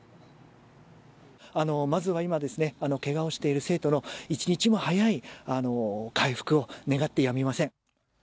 まずは今ですね、けがをしている生徒の一日も早い回復を願ってやみません。